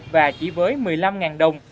và chỉ với một mươi năm đồng